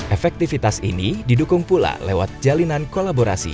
efektivitas ini didukung pula lewat jalinan kolaborasi